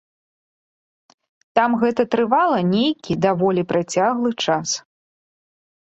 Там гэта трывала нейкі даволі працяглы час.